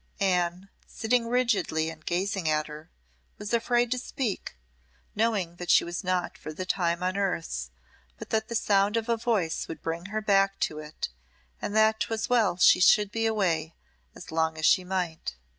Anne, sitting rigidly and gazing at her, was afraid to speak, knowing that she was not for the time on earth, but that the sound of a voice would bring her back to it, and that 'twas well she should be away as long as she might.